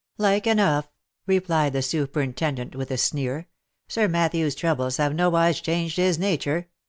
"Like enough!" replied the superintendent with a sneer. "Sir Matthew's troubles have nowise changed his nature.